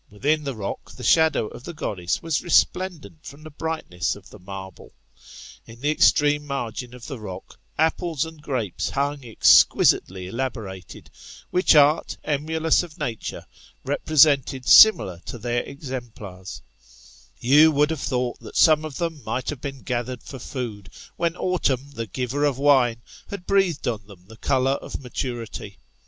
Within the rock the shadow of the goddess was resplendent from the brightness of the marble. In the extreme margin of the rock apples and grapes hung exquisitely elaborated, which art, emulous of nature, represented similar to their exemplars You would have thought that some of them might have been gathered for food, when autumn, the giver of wine, had breathed on them the colour of maturity.